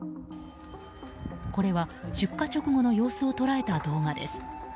これは出火直後の様子を捉えた動画です。